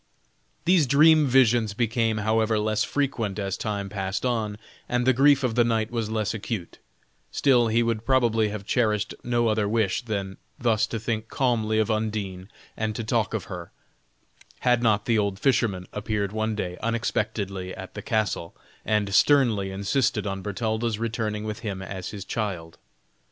These dream visions became, however, less frequent as time passed on, and the grief of the knight was less acute; still he would probably have cherished no other wish than thus to think calmly of Undine and to talk of her, had not the old fisherman appeared one day unexpectedly at the castle, and sternly insisted on Bertalda's returning with him as his child.